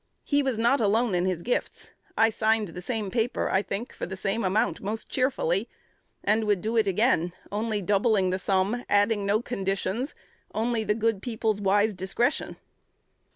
He was not alone in his gifts: I signed the same paper, I think, for the same amount, most cheerfully; and would do it again, only doubling the sum, adding no conditions, only the good people's wise discretion."